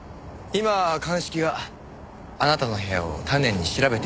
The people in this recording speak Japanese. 今鑑識があなたの部屋を丹念に調べています。